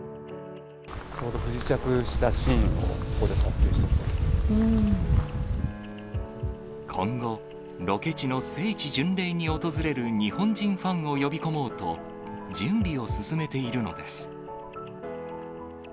ちょうど不時着したシーンを今後、ロケ地の聖地巡礼に訪れる日本人ファンを呼び込もうと、準備を進めているのです。